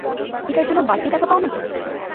এটার জন্য বাড়তি টাকা পাও নাকি?